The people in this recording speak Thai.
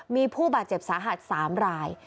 มีผู้บาดเจ็บสาหัส๓ราย